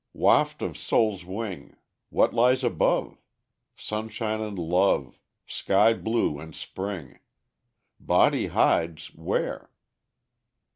Waft of soul's wing! What lies above? Sunshine and Love, Sky blue and Spring! Body hides where?